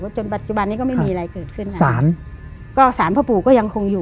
จนปัจจุบันนี้ก็ไม่มีอะไรเกิดขึ้นนะสารก็สารพ่อปู่ก็ยังคงอยู่